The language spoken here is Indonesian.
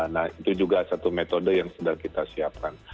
nah itu juga satu metode yang sedang kita siapkan